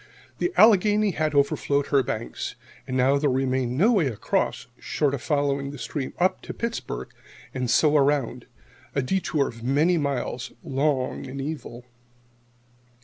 The Allegheny had overflowed her banks, and now there remained no way across, short of following the stream up to Pittsburgh and so around, a détour of many miles, long and evil.